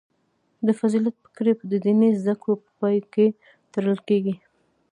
د فضیلت پګړۍ د دیني زده کړو په پای کې تړل کیږي.